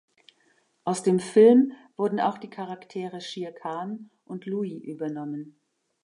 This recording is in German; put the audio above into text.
Aus dem Film wurden auch die Charaktere "Shir Khan" und "Louie" übernommen.